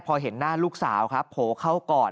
พอเห็นหน้าลูกสาวครับโผล่เข้าก่อน